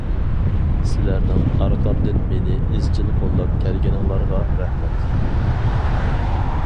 سىلەرنىڭ ئارقامدىن مېنى ئىزچىل قوللاپ كەلگىنىڭلارغا رەھمەت.